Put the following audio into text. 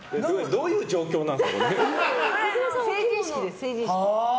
どういう状況なんですか。